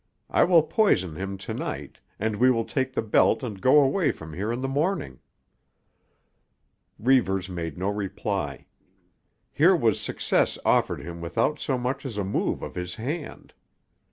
I will poison him to night, and we will take the belt and go away from here in the morning." Reivers made no reply. Here was success offered him without so much as a move of his hand.